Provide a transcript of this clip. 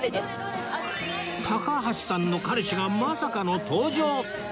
高橋さんの彼氏がまさかの登場！